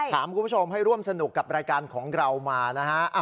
คุณผู้ชมให้ร่วมสนุกกับรายการของเรามานะฮะ